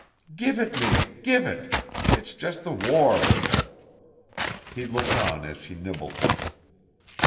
"Give it me, give it! It's just the war." He looked on as she nibbled.